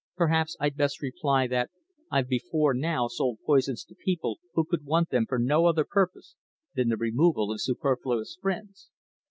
"Perhaps I'd best reply that I've before now sold poisons to people who could want them for no other purpose than the removal of superfluous friends."